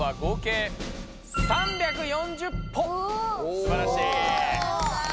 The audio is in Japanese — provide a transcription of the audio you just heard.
すばらしい。